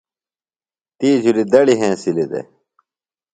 تی جُھلیۡ دُڑی ہنسِلیۡ دےۡ۔